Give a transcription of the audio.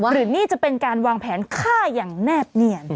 หรือนี่จะเป็นการวางแผนฆ่าอย่างแนบเนียน